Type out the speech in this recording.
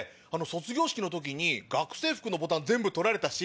卒業式の時に学生服のボタン全部取られたし。